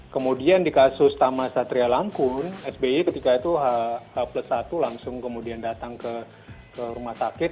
kemudian di kasus tama satria langkun sby ketika itu h plus satu langsung kemudian datang ke rumah sakit